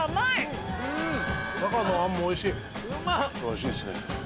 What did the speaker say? おいしいっすね。